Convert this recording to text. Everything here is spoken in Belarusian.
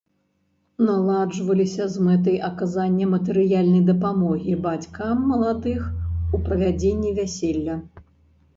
Наладжваліся з мэтай аказання матэрыяльнай дапамогі бацькам маладых у правядзенні вяселля.